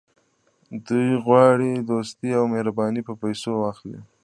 دوی غواړي دوستي او مهرباني په پیسو واخلي.